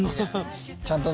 ちゃんとね